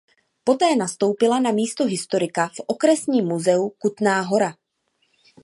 Poté nastoupila na místo historika v Okresním muzeu Kutná Hora.